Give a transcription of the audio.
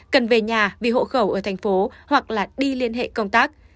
cần về nhà vì hộ khẩu ở thành phố hoặc là đi liên hệ công tác